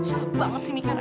susah banget sih mikir